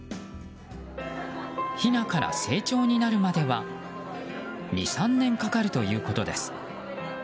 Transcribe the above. ひなから成鳥になるまでは２３年かかるということです。